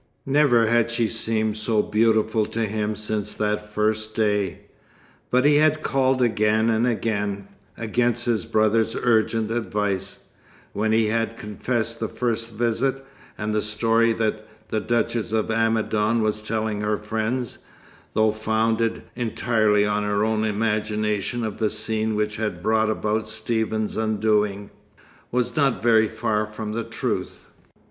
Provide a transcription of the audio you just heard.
Never had she seemed so beautiful to him since that first day; but he had called again and again, against his brother's urgent advice (when he had confessed the first visit); and the story that the Duchess of Amidon was telling her friends, though founded entirely on her own imagination of the scene which had brought about Stephen's undoing, was not very far from the truth.